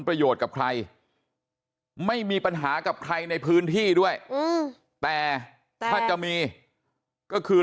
กับใครไม่มีปัญหากับใครในพื้นที่ด้วยแต่ถ้าจะมีก็คือ